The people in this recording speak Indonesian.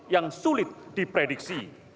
yang sulit diprediksi